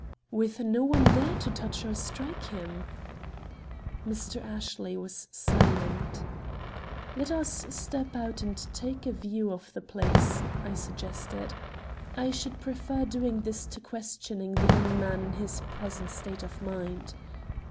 "With no one there to touch or strike him." Mr. Ashley was silent. "Let us step out and take a view of the place," I suggested. "I should prefer doing this to questioning the young man in his present state of mind."